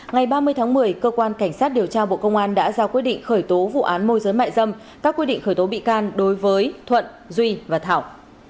ngày ba mươi tháng một mươi cơ quan cảnh sát điều tra bộ công an đã ra quyết định khởi tố vụ án môi giới mại dâm các quyết định khởi tố bị can đối với thuận duy và thảo